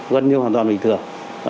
gần như hoàn toàn bình thường